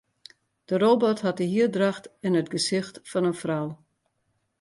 De robot hat de hierdracht en it gesicht fan in frou.